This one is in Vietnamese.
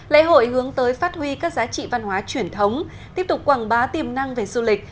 lễ hội hướng tới phát huy các giá trị văn hóa truyền thống tiếp tục quảng bá tiềm năng về du lịch